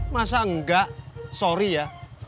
masa enggak sorry ya